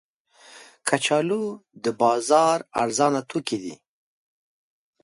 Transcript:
کچالو د بازار ارزانه توکي دي